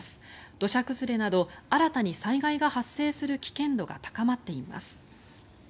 土砂崩れなど新たに災害が発生する危険度が高まっています。